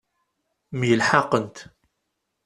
Myelḥaqent.